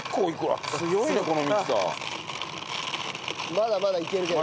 まだまだいけるけど。